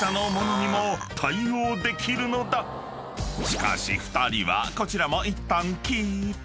［しかし２人はこちらもいったんキープ］